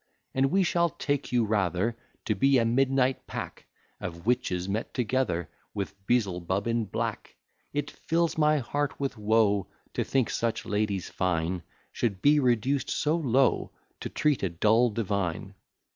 And we shall take you rather To be a midnight pack Of witches met together, With Beelzebub in black. It fills my heart with woe, To think such ladies fine Should be reduced so low, To treat a dull divine.